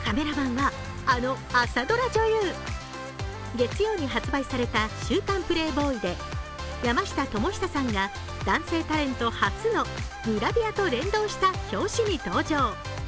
月曜に発売された「週刊プレイボーイ」で山下智久さんが男性タレント初のグラビアと連動した表紙に登場。